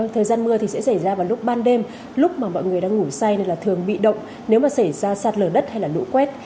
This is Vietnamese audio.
thời gian mưa thì sẽ xảy ra vào lúc ban đêm lúc mà mọi người đang ngủ say nên là thường bị động nếu mà xảy ra sạt lở đất hay là lũ quét